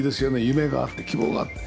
夢があって希望があって。